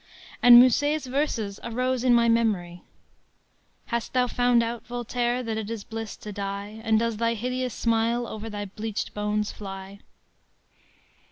And Musset's verses arose in my memory: “Hast thou found out, Voltaire, that it is bliss to die, And does thy hideous smile over thy bleached bones fly?